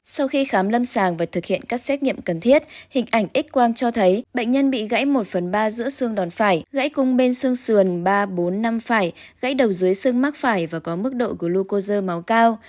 sau khi khám lâm sàng và thực hiện các xét nghiệm cần thiết hình ảnh x quang cho thấy bệnh nhân bị gãy một phần ba giữa xương đòn phải gãy cung bên xương sườn ba bốn năm phải gãy đầu dưới xương mắc phải và có mức độ của lukozer máu cao